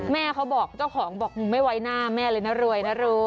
แม่เขาบอกเจ้าของบอกมึงไม่ไว้หน้าแม่เลยนะรวยนะลูก